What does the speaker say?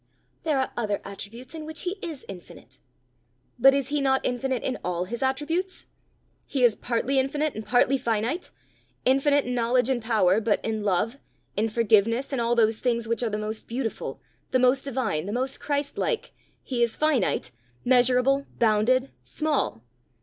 "There are other attributes in which he is infinite." "But he is not infinite in all his attributes? He is partly infinite, and partly finite! infinite in knowledge and power, but in love, in forgiveness, in all those things which are the most beautiful, the most divine, the most Christ like, he is finite, measurable, bounded, small!"